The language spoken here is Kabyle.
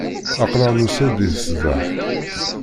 Aql-aɣ nusa-d di ṣṣḍeḥ.